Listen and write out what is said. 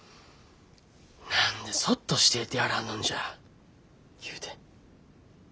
何でそっとしてえてやらんのんじゃ言うて。